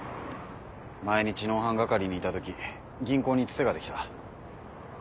前に知能犯係にいた時銀行にツテができた。